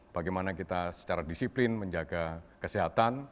bagaimana kita secara disiplin menjaga kesehatan